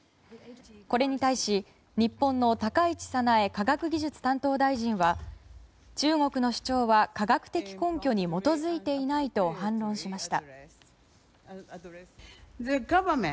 これに対し、日本の高市早苗科学技術担当大臣は中国の主張は科学的根拠に基づいていないと反論しました。